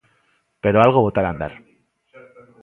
pero algo botara a andar.